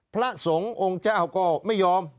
พระสงฆ์องค์เจ้าก็ไม่ยอม